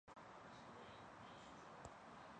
魁地奇是巫师世界中最风行的球赛运动。